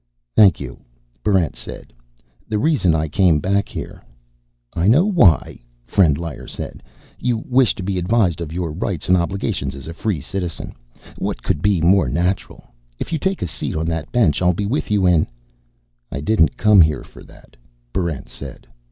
"Thank you," Barrent said. "The reason I came back here " "I know why," Frendlyer said. "You wished to be advised of your rights and obligations as a Free Citizen. What could be more natural? If you take a seat on that bench, I'll be with you in " "I didn't come here for that," Barrent said.